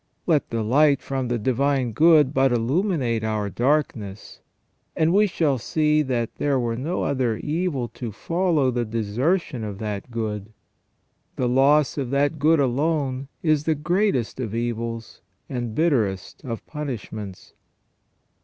Let the light from the Divine Good but illuminate our darkness, and we shall see that were no other evil to follow the desertion of that good, the loss of that good alone is the greatest of evils and bitterest of punishments.